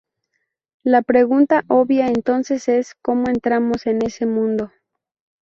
La pregunta obvia entonces es, ¿cómo entramos en ese mundo?